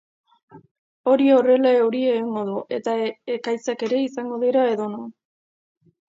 Hori horrela, euria egingo du, eta ekaitzak ere izango dira edonon.